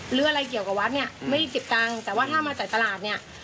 หรืออะไรเกี่ยวกับวัดเนี่ยไม่ได้เก็บตังค์แต่ว่าถ้ามาจ่ายตลาดเนี่ย